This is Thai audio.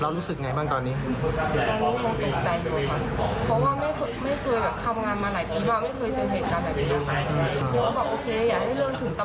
รู้สึกไงบ้างตอนนี้